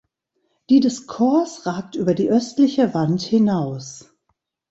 Die des Chors ragt über die östliche Wand hinaus.